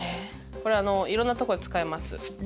これいろんなとこで使えます。